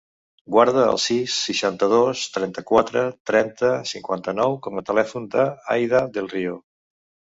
Guarda el sis, seixanta-dos, trenta-quatre, trenta, cinquanta-nou com a telèfon de l'Aïda Del Rio.